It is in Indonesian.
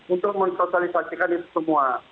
untuk mensosialisasikan itu semua